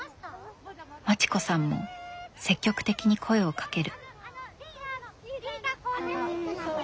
まちこさんも積極的に声をかける。